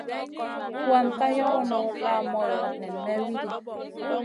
Tuan ka yoronu la moyo nen may widi.